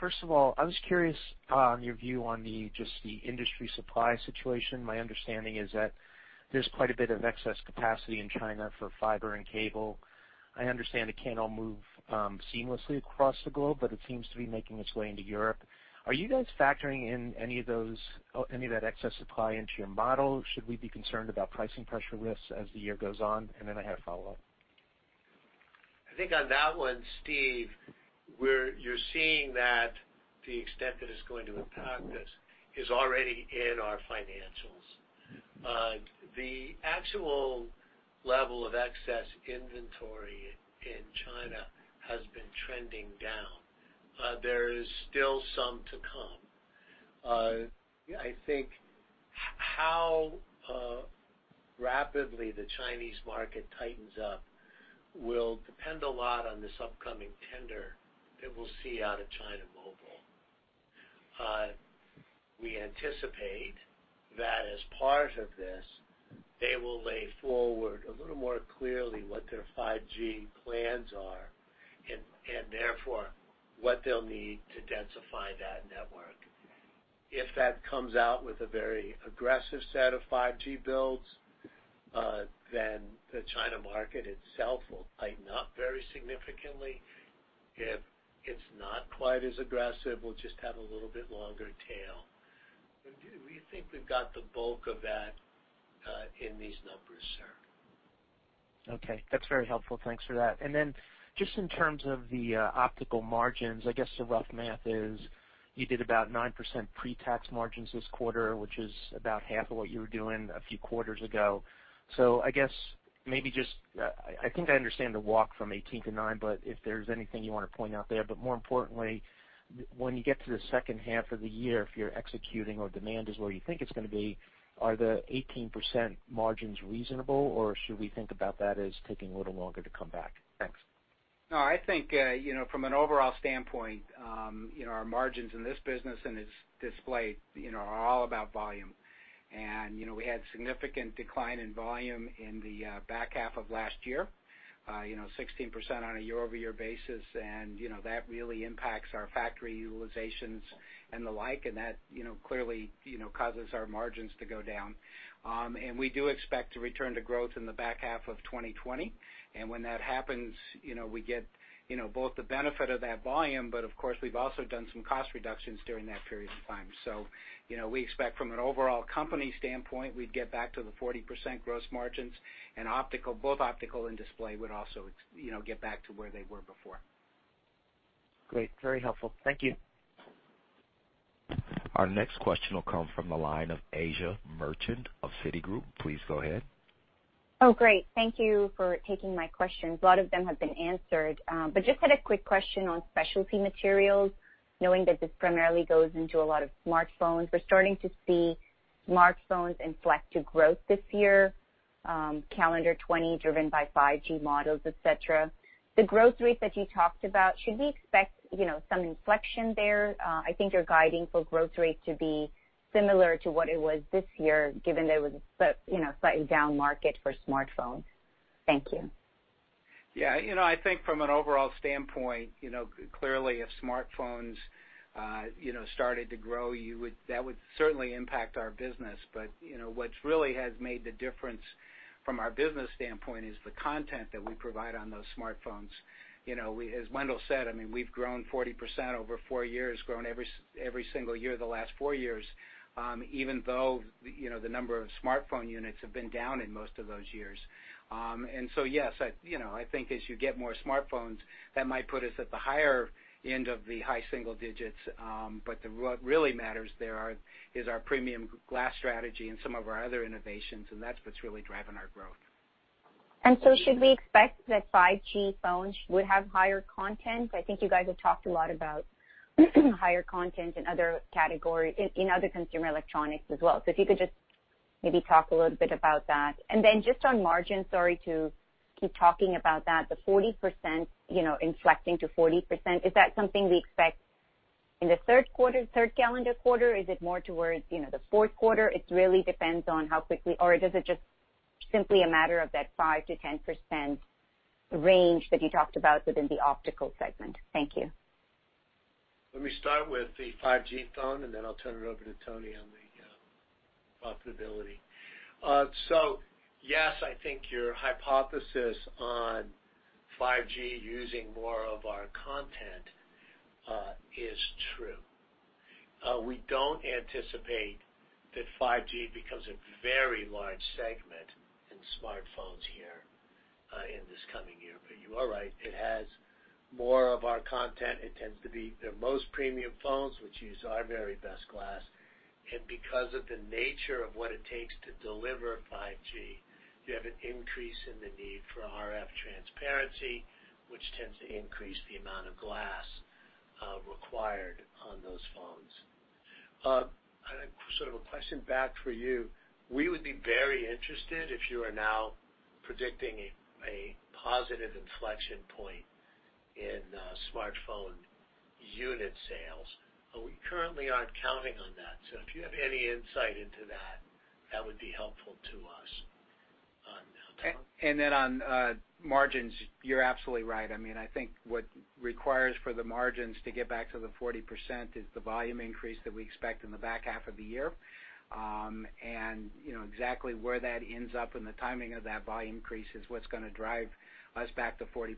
First of all, I was curious on your view on just the industry supply situation. My understanding is that there's quite a bit of excess capacity in China for fiber and cable. I understand it can't all move seamlessly across the globe, but it seems to be making its way into Europe. Are you guys factoring in any of that excess supply into your model? Should we be concerned about pricing pressure risks as the year goes on? I have a follow-up. I think on that one, Steve, you're seeing that the extent that it's going to impact us is already in our financials. The actual level of excess inventory in China has been trending down. There is still some to come. I think how rapidly the Chinese market tightens up will depend a lot on this upcoming tender that we'll see out of China Mobile. We anticipate that as part of this, they will lay forward a little more clearly what their 5G plans are and therefore what they'll need to densify that network. If that comes out with a very aggressive set of 5G builds, then the China market itself will tighten up very significantly. If it's not quite as aggressive, we'll just have a little bit longer tail. We think we've got the bulk of that in these numbers, sir. Okay, that's very helpful. Thanks for that. Just in terms of the optical margins, I guess the rough math is you did about 9% pretax margins this quarter, which is about half of what you were doing a few quarters ago. I guess, I think I understand the walk from 18% to 9%, but if there's anything you want to point out there. More importantly, when you get to the second half of the year, if you're executing or demand is where you think it's going to be, are the 18% margins reasonable, or should we think about that as taking a little longer to come back? Thanks. No, I think, from an overall standpoint, our margins in this business and its display are all about volume. We had significant decline in volume in the back half of last year, 16% on a year-over-year basis, and that really impacts our factory utilizations and the like, and that clearly causes our margins to go down. We do expect to return to growth in the back half of 2020. When that happens, we get both the benefit of that volume, but of course, we've also done some cost reductions during that period of time. We expect from an overall company standpoint, we'd get back to the 40% gross margins and both optical and display would also get back to where they were before. Great. Very helpful. Thank you. Our next question will come from the line of Asiya Merchant of Citigroup. Please go ahead. Oh, great. Thank you for taking my questions. A lot of them have been answered. Just had a quick question on Specialty Materials, knowing that this primarily goes into a lot of smartphones. We're starting to see smartphones inflect to growth this year, calendar 2020 driven by 5G models, et cetera. The growth rates that you talked about, should we expect some inflection there? I think you're guiding for growth rates to be similar to what it was this year, given there was a slightly down market for smartphones. Thank you. Yeah. I think from an overall standpoint, clearly if smartphones started to grow, that would certainly impact our business. What really has made the difference from our business standpoint is the content that we provide on those smartphones. As Wendell said, we've grown 40% over four years, grown every single year the last four years, even though the number of smartphone units have been down in most of those years. Yes, I think as you get more smartphones, that might put us at the higher end of the high single digits. What really matters there is our premium glass strategy and some of our other innovations, and that's what's really driving our growth. Should we expect that 5G phones would have higher content? I think you guys have talked a lot about higher content in other consumer electronics as well. If you could just maybe talk a little bit about that. Just on margin, sorry to keep talking about that, the 40%, inflecting to 40%, is that something we expect in the third calendar quarter, is it more towards the fourth quarter? It really depends on how quickly, or is it just simply a matter of that 5%-10% range that you talked about within the optical segment? Thank you. Let me start with the 5G phone, then I'll turn it over to Tony on the profitability. Yes, I think your hypothesis on 5G using more of our content is true. We don't anticipate that 5G becomes a very large segment in smartphones here in this coming year. You are right. It has more of our content. It tends to be their most premium phones, which use our very best glass. Because of the nature of what it takes to deliver 5G, you have an increase in the need for RF transparency, which tends to increase the amount of glass required on those phones. I think a question back for you, we would be very interested if you are now predicting a positive inflection point in smartphone unit sales, but we currently aren't counting on that. If you have any insight into that would be helpful to us. Now, Tony. On margins, you're absolutely right. I think what requires for the margins to get back to the 40% is the volume increase that we expect in the back half of the year. Exactly where that ends up and the timing of that volume increase is what's going to drive us back to 40%.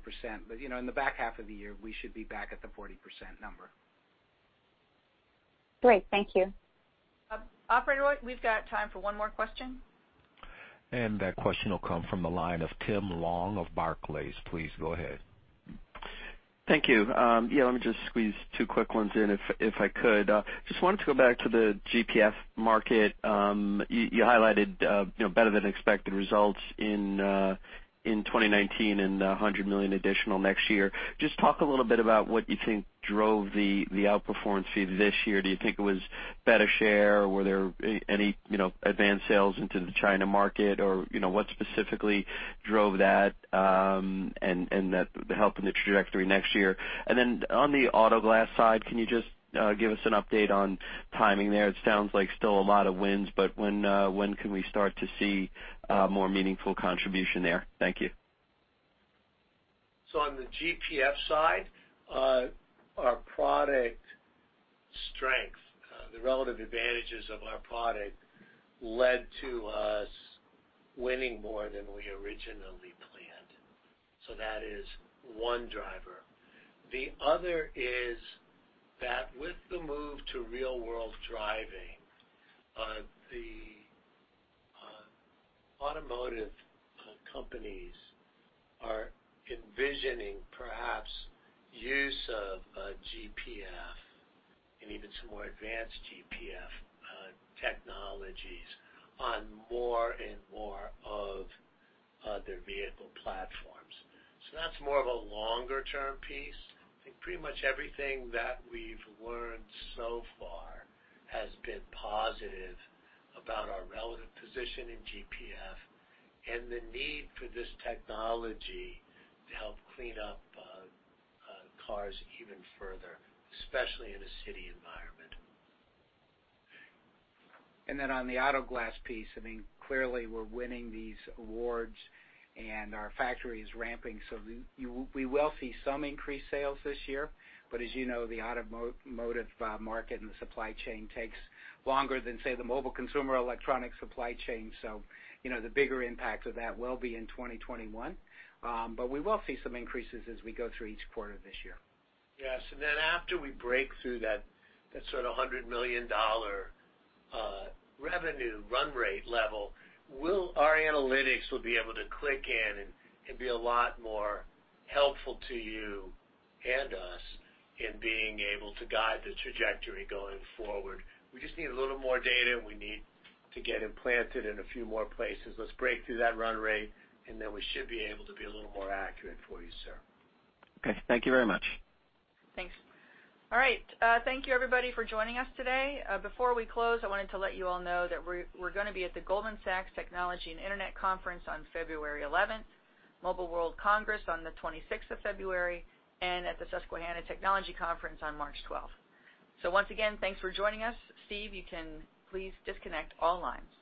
In the back half of the year, we should be back at the 40% number. Great. Thank you. Operator, we've got time for one more question. That question will come from the line of Tim Long of Barclays. Please go ahead. Thank you. Yeah, let me just squeeze two quick ones in, if I could. Just wanted to go back to the GPF market. You highlighted better than expected results in 2019 and $100 million additional next year. Just talk a little bit about what you think drove the outperformance this year. Do you think it was better share? Were there any advanced sales into the China market, or what specifically drove that and the help in the trajectory next year? On the auto glass side, can you just give us an update on timing there? It sounds like still a lot of wins, but when can we start to see more meaningful contribution there? Thank you. On the GPF side, our product strength, the relative advantages of our product led to us winning more than we originally planned. That is one driver. The other is that with the move to real-world driving, the automotive companies are envisioning perhaps use of GPF and even some more advanced GPF technologies on more and more of their vehicle platforms. That's more of a longer-term piece. I think pretty much everything that we've learned so far has been positive about our relative position in GPF and the need for this technology to help clean up cars even further, especially in a city environment. On the auto glass piece, clearly we're winning these awards and our factory is ramping. We will see some increased sales this year. As you know, the automotive market and the supply chain takes longer than, say, the mobile consumer electronic supply chain. The bigger impact of that will be in 2021. We will see some increases as we go through each quarter this year. Yes. After we break through that sort of $100 million revenue run rate level, our analytics will be able to click in and be a lot more helpful to you and us in being able to guide the trajectory going forward. We just need a little more data, and we need to get implanted in a few more places. Let's break through that run rate, and then we should be able to be a little more accurate for you, sir. Okay. Thank you very much. Thanks. All right. Thank you everybody for joining us today. Before we close, I wanted to let you all know that we're going to be at the Goldman Sachs Technology and Internet Conference on February 11th, Mobile World Congress on the 26th of February, and at the Susquehanna Technology Conference on March 12th. Once again, thanks for joining us. Steve, you can please disconnect all lines.